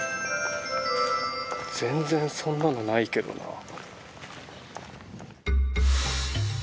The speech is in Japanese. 全然そんなのないけどなあ。